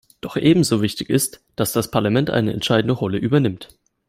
Doch ebenso wichtig ist, dass das Parlament eine entscheidende Rolle übernimmt.